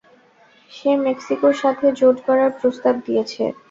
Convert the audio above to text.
সে মেক্সিকোর সাথে জোট গড়ার প্রস্তাব দিয়েছে।